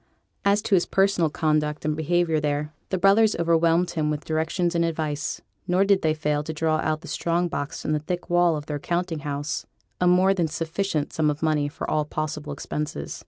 As to his personal conduct and behaviour there, the brothers overwhelmed him with directions and advice; nor did they fail to draw out of the strong box in the thick wall of their counting house a more than sufficient sum of money for all possible expenses.